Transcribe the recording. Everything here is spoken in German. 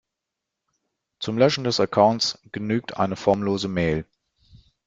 Zum Löschen des Accounts genügt eine formlose Mail.